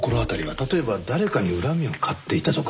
例えば誰かに恨みを買っていたとか。